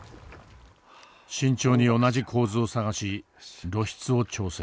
慎重に同じ構図を探し露出を調整。